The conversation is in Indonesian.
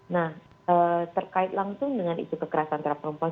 nah terkait langsung dengan isu kekerasan terhadap perempuan